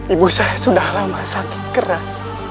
ibu saya sudah lama sakit keras